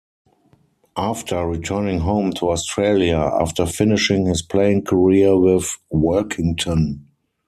After returning home to Australia after finishing his playing career with Workington.